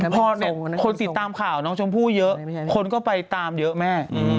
พอคนติดตามข่าวน้องชมพู่เยอะคนก็ไปตามเยอะแม่